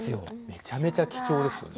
めちゃめちゃ貴重ですよね。